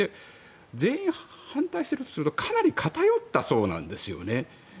全員反対するとするとかなり偏った層なんですよね。